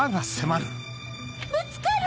ぶつかる！